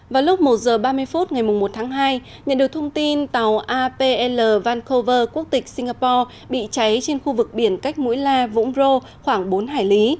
vào lúc một h ba mươi phút ngày một tháng hai nhận được thông tin tàu apl vancover quốc tịch singapore bị cháy trên khu vực biển cách mũi la vũng rô khoảng bốn hải lý